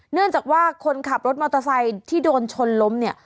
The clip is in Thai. เนื่องจากว่าคนขับรถมอเตอร์ไซค์ที่โดนชนล้มเนี่ย